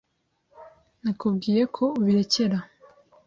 Nakubwiye ko ubirekera.